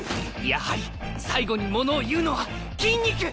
やはり最後にものを言うのは筋肉！